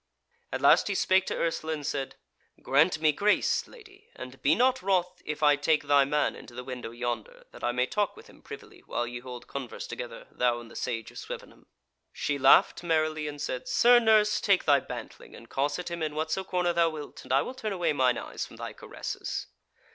At last he spake to Ursula, and said: "Grant me a grace, lady, and be not wroth if I take thy man into the window yonder that I may talk with him privily while ye hold converse together, thou and the Sage of Swevenham." She laughed merrily and said: "Sir nurse, take thy bantling and cosset him in whatso corner thou wilt, and I will turn away mine eyes from thy caresses."